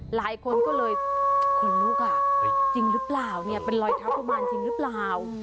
หลายคนก็เลยขนลุกอ่ะจริงหรือเปล่าเนี่ยเป็นรอยเท้ากุมารจริงหรือเปล่า